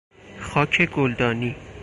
خاک گلدانی